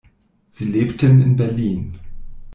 Sie lebten in Berlin.